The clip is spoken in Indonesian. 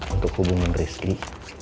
untuk hubungan rizky